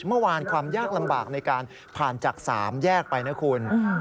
เมื่อวานความยากลำบากในการผ่านจาก๓แยกไปนะคุณ